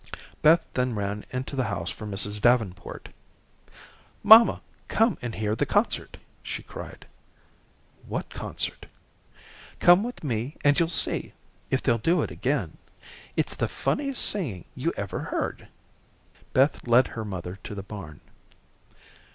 Beth then ran into the house for Mrs. Davenport. "Mamma, come and hear the concert," she cried. "What concert?" "Come with me and you'll see, if they'll do it again. It's the funniest singing you ever heard." Beth led her mother to the barn.